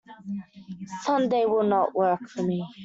Sunday will not work for me.